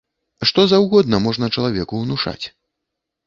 Што заўгодна можна чалавеку ўнушаць.